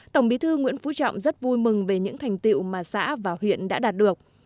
tổng bí thư nguyễn phú trọng rất vui mừng về những thành tiệu mà xã và huyện đã đạt được